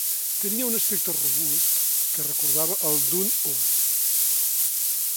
Tenia un aspecte robust que recordava el d'un ós.